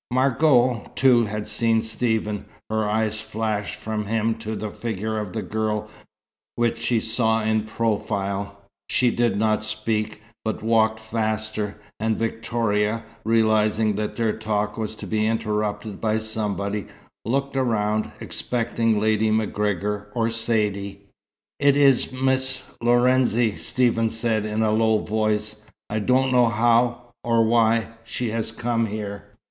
Margot, too, had seen Stephen. Her eyes flashed from him to the figure of the girl, which she saw in profile. She did not speak, but walked faster; and Victoria, realizing that their talk was to be interrupted by somebody, looked round, expecting Lady MacGregor or Saidee. "It is Miss Lorenzi," Stephen said, in a low voice. "I don't know how or why she has come here.